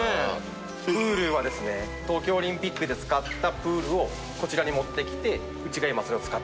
プールはですね東京オリンピックで使ったプールをこちらに持ってきてうちが今それを使っております。